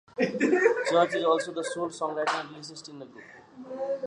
Church is also the sole songwriter and lyricist in the group.